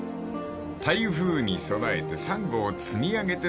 ［台風に備えてサンゴを積み上げて造られた石垣］